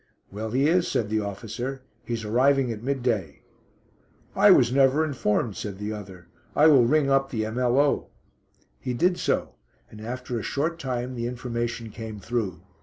"Well, he is," said the officer. "He's arriving at midday." "I was never informed," said the other. "I will ring up the M.L.O." He did so, and after a short time the information came through.